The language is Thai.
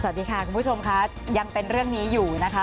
สวัสดีค่ะคุณผู้ชมค่ะยังเป็นเรื่องนี้อยู่นะคะ